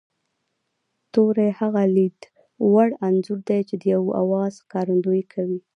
توری هغه لید وړ انځور دی چې د یوه آواز ښکارندويي کوي